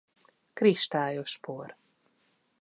Kristályos por.